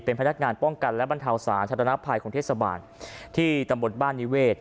เป็นพนักงานป้องกันและบรรเทาสาธารณภัยของเทศบาลที่ตำบลบ้านนิเวศ